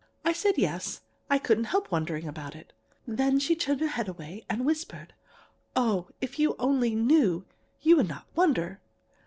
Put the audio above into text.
I said, yes, I couldn't help wondering about it. Then she turned away her head and whispered: "'Oh, if you only knew, you would not wonder!